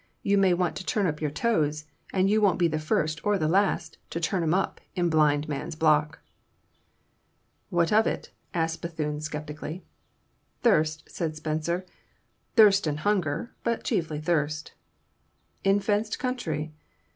If you do you may turn up your toes; and you won't be the first or the last to turn 'em up in Blind Man's Block." "What of?" asked Bethune sceptically. "Thirst," said Spicer; "thirst and hunger, but chiefly thirst." "In fenced country?"